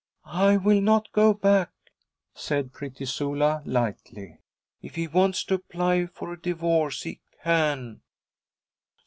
'I will not go back,' said pretty Sula lightly. 'If he wants to apply for a divorce, he can.'